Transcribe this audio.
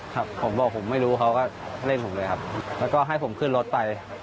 ครับผมบอกผมไม่รู้เขาก็เล่นผมเลยครับแล้วก็ให้ผมขึ้นรถไป